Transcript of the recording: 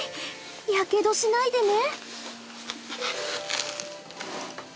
やけどしないでね。